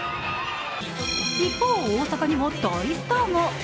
一方、大阪にも大スターが。